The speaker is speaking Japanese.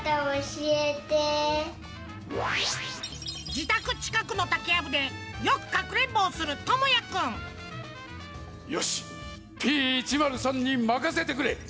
じたくちかくのたけやぶでよくかくれんぼをするともやくんよしＰ１０３にまかせてくれ。